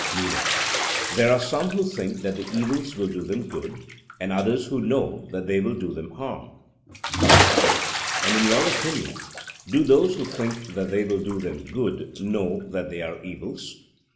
MENO: There are some who think that the evils will do them good, and others who know that they will do them harm. SOCRATES: And, in your opinion, do those who think that they will do them good know that they are evils?